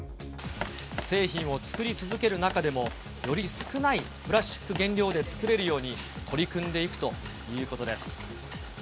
製品を作り続ける中でも、より少ないプラスチック原料で作れるように取り組んでいくということです。